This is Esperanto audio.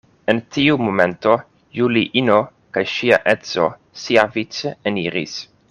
En tiu momento Juliino kaj ŝia edzo siavice eniris.